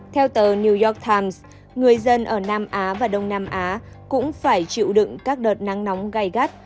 theo tờ new york times người dân ở nam á và đông nam á cũng phải chịu đựng các đợt nắng nóng gai gắt